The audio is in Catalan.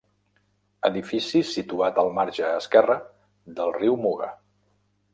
Edifici situat al marge esquerre del riu Muga.